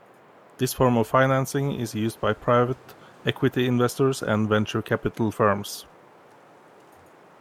This form of financing is used by private equity investors and venture capital firms.